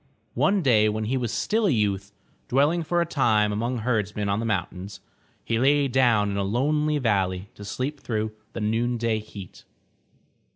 One day when he was still a youth, dwelling for a time among herdsmen on the mountains, he lay down in a lonely valley to sleep through the noonday heat.